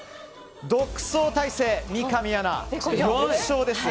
独走態勢、三上アナ、４勝です。